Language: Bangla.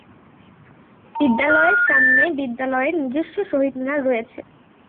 বিদ্যালয়ের সামনে বিদ্যালয়ের নিজস্ব শহীদ মিনার রয়েছে।